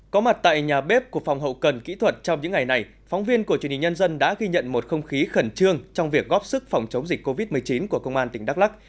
có mặt tại nhà bếp của phòng hậu cần kỹ thuật trong những ngày này phóng viên của truyền hình nhân dân đã ghi nhận một không khí khẩn trương trong việc góp sức phòng chống dịch covid một mươi chín của công an tỉnh đắk lắc